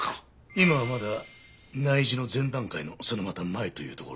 今はまだ内示の前段階のそのまた前というところだが。